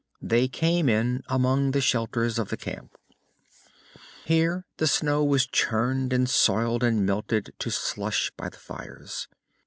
They came in among the shelters of the camp. Here the snow was churned and soiled and melted to slush by the fires.